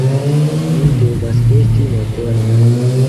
Ni devas esti modernaj!